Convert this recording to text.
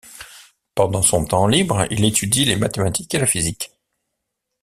Pendant son temps libre, il étudie les mathématiques et la physique.